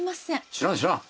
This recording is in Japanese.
知らん知らん。